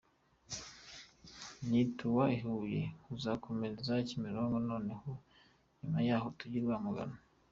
Nituva i Huye tuzakomereza Kimironko noneho nyuma yaho tujye i Rwamagana”.